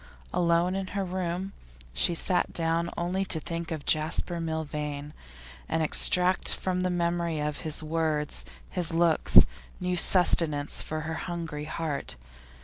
Alone in her room she sat down only to think of Jasper Milvain, and extract from the memory of his words, his looks, new sustenance for her hungry heart.